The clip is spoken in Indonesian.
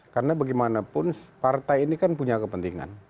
karena bagaimanapun partai ini kan punya kepentingan